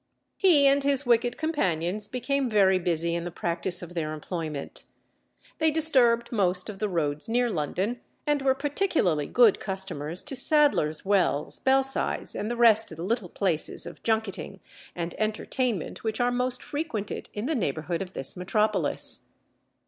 He and his wicked companions became very busy in the practice of their employment. They disturbed most of the roads near London, and were particularly good customers to Sadler's Wells, Belsize, and the rest of the little places of junketting and entertainment which are most frequented in the neighbourhood of this Metropolis.